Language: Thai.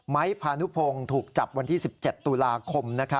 พานุพงศ์ถูกจับวันที่๑๗ตุลาคม